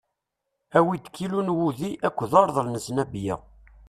Awi-d kilu n wudi akked urḍel n zlabiyya.